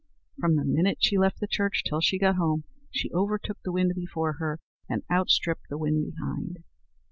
From the minute she left the church till she got home, she overtook the wind before her, and outstripped the wind behind.